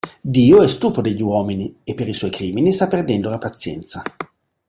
Dio è stufo degli uomini e per i suoi crimini sta perdendo la pazienza.